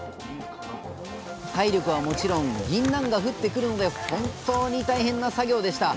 体力はもちろんぎんなんが降ってくるので本当に大変な作業でした。